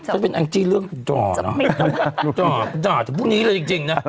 ก็เป็นอังจีเรื่องจอบจอบจะพูดแบบนี้เลยจริงนะ